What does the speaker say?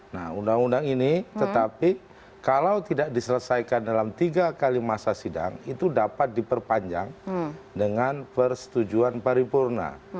nah undang undang ini tetapi kalau tidak diselesaikan dalam tiga kali masa sidang itu dapat diperpanjang dengan persetujuan paripurna